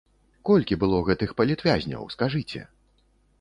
Колькі было гэтых палітвязняў, скажыце?